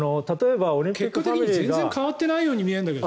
結果的に全然変わっていないように見えるんだけど。